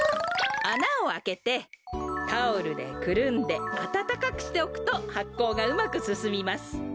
あなをあけてタオルでくるんであたたかくしておくとはっこうがうまくすすみます。